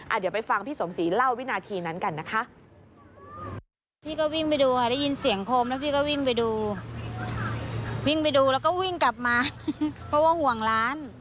เดี๋ยวไปฟังพี่สมศรีเล่าวินาทีนั้นกันนะคะ